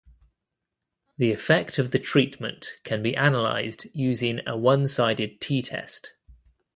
The effect of the treatment can be analyzed using a one-sided t-test.